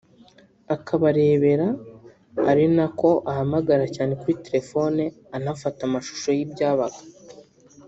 akabarebera ari nako ahamagara cyane kuri telefoni anafata amashusho yibyabaga